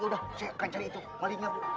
ya udah saya akan cari itu malinya bu